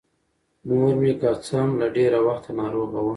مـور مـې کـه څـه هـم له ډېـره وخـته نـاروغـه وه.